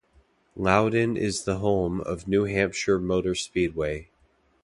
Loudon is the home of New Hampshire Motor Speedway.